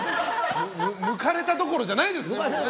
抜かれたどころじゃないですね。